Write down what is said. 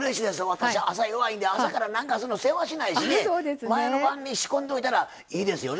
私朝弱いんで朝からなんかするのせわしないしね前の晩に仕込んどいたらいいですよね。